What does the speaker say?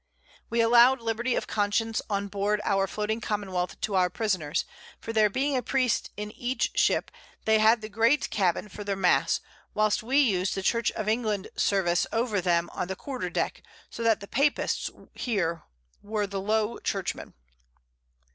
_] We allow'd Liberty of Conscience on board our floating Commonwealth to our Prisoners, for there being a Priest in each Ship, they had the Great Cabbin for their Mass, whilst we us'd the Church of England Service over them on the Quarter deck, so that the Papists here were the Low Churchmen.